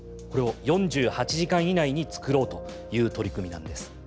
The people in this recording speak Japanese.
これを４８時間以内に作ろうという取り組みなんです。